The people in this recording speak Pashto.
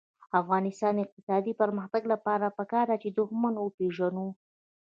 د افغانستان د اقتصادي پرمختګ لپاره پکار ده چې دښمن وپېژنو.